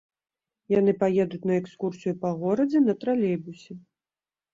Яны паедуць на экскурсію па горадзе на тралейбусе.